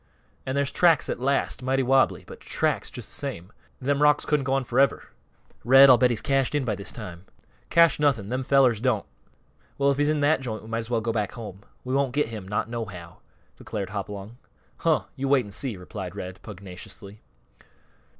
"An' there's tracks at last mighty wobbly, but tracks just th' same. Them rocks couldn't go on forever. Red, I'll bet he's cashed in by this time." "Cashed nothing! Them fellers don't." "Well, if he's in that joint we might as well go back home. We won't get him, not nohow," declared Hopalong. "Huh! You wait an' see!" replied Red, pugnaciously.